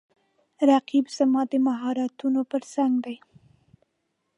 رقیب زما د مهارتونو پر مختګ دی